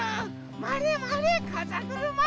まわれまわれかざぐるま。